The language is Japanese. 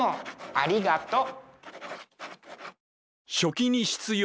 ありがとう。